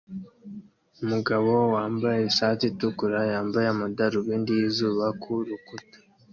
Umugabo wambaye ishati itukura yambaye amadarubindi yizuba ku rukuta